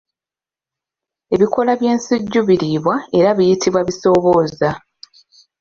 Ebikoola by'ensujju biriibwa era biyitibwa bisoobooza.